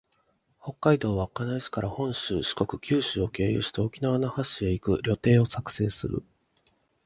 北海道稚内市から本州、四国、九州を経由して、沖縄県那覇市へ行く旅程を作成する